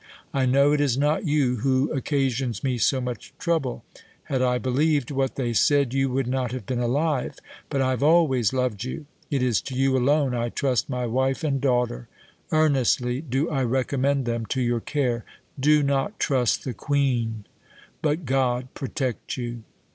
I know it is not you who occasions me so much trouble; had I believed what they said, you would not have been alive; but I have always loved you. It is to you alone I trust my wife and daughter; earnestly do I recommend them to your care. Do not trust the queen; but God protect you!'